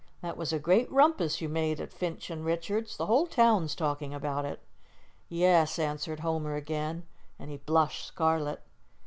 That was a great rumpus you made at Finch & Richards'. The whole town's talking about it." "Yes," answered Homer again, and he blushed scarlet.